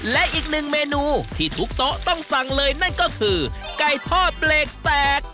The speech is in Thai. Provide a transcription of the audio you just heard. และอีกหนึ่งเมนูที่ทุกโต๊ะต้องสั่งเลยนั่นก็คือไก่ทอดเปรกแตก